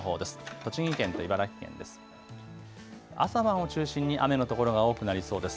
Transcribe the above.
栃木県と茨城県です。